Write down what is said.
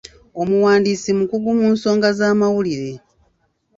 Omuwandiisi mukugu mu nsonga z'amawulire.